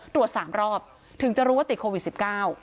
ตรวจ๓รอบถึงจะรู้ว่าติดโควิด๑๙